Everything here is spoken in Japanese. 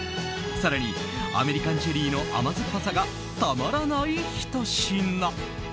更にアメリカンチェリーの甘酸っぱさがたまらないひと品。